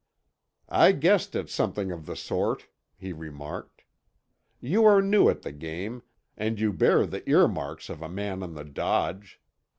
"I guessed at something of the sort," he remarked. "You are new at the game, and you bear the ear marks of a man on the dodge.